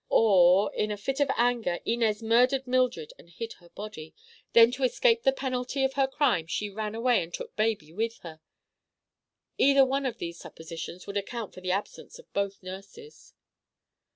"Or in a fit of anger Inez murdered Mildred and hid her body. Then, to escape the penalty of her crime, she ran away and took baby with her. Either one of these suppositions would account for the absence of both nurses."